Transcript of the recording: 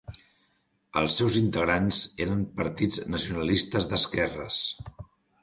Els seus integrants eren partits nacionalistes d'esquerres.